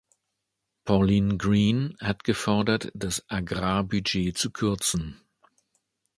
Pauline Green hat gefordert, das Agrarbudget zu kürzen.